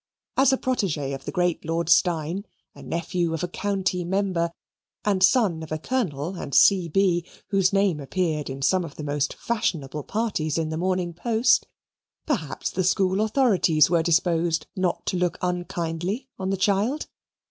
As a protege of the great Lord Steyne, the nephew of a County member, and son of a Colonel and C.B., whose name appeared in some of the most fashionable parties in the Morning Post, perhaps the school authorities were disposed not to look unkindly on the child.